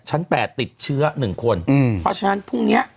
แปดติดเชื้อ๑คนเพราะฉะนั้นพรุ่งเนี้ย